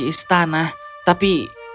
aku akan pergi dari istana